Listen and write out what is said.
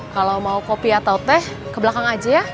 kalau mau kopi atau teh ke belakang aja ya